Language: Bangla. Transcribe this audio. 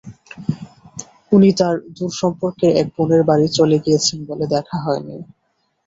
উনি তাঁর দূর সম্পর্কের এক বোনের বাড়ি চলে গিয়েছেন বলে দেখা হয় নি।